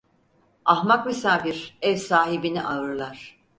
Ahmak misafir ev sahibini ağırlar.